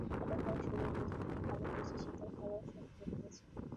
বড়ভাইয়ের শরীর বোধহয় একটু ভালো হয়েছে, সে তার খাবার সব খেয়ে ফেলেছে।